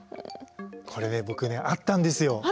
これ僕ねあったんですよ。